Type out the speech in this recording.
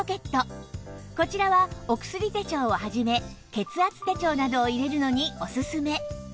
こちらはお薬手帳を始め血圧手帳などを入れるのにおすすめ